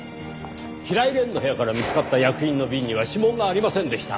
平井蓮の部屋から見つかった薬品の瓶には指紋がありませんでした。